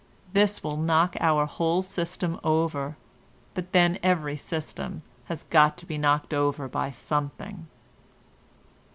This will knock our whole system over, but then every system has got to be knocked over by something.